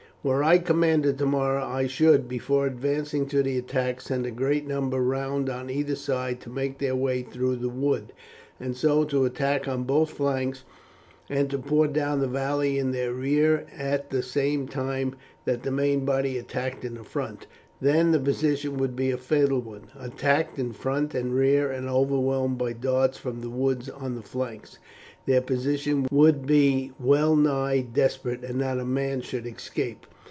Were I commander tomorrow I should, before advancing to the attack, send a great number round on either side to make their way through the woods, and so to attack on both flanks, and to pour down the valley in their rear, at the same time that the main body attacked in the front. Then the position would be a fatal one; attacked in front and rear and overwhelmed by darts from the woods on the flanks, their position would be well nigh desperate, and not a man should escape."